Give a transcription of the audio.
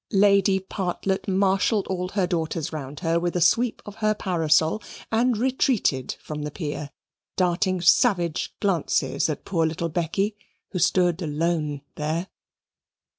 Lady Partlet marshalled all her daughters round her with a sweep of her parasol and retreated from the pier, darting savage glances at poor little Becky who stood alone there.